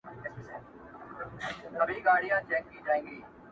نه به سور وي په محفل کي نه مطرب نه به غزل وي!